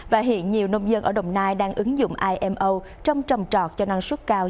và hiện nhiều nông dân ở đồng nai đang ứng dụng imo trong trầm trọt cho năng suất cao